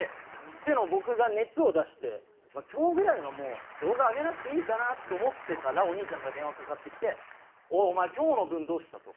っていうのも僕が熱を出して今日ぐらいはもう動画上げなくていいかなって思ってたらお兄ちゃんから電話かかってきて「おいお前今日の分どうした？」と。